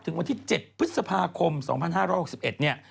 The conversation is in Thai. วันที่๗พฤษภาคม๒๕๖๑เนี่ย